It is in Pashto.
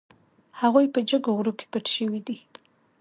هغوی په جګو غرونو کې پټ شوي دي.